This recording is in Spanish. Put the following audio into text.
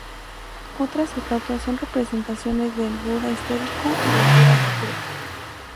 Otras estatuas son representaciones del Buda histórico y del Buda futuro.